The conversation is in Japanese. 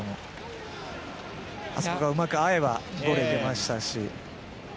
あそこがうまく合えばゴールにいけましたし。